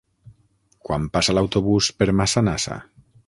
Quan passa l'autobús per Massanassa?